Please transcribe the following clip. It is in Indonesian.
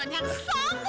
aduh thanks papi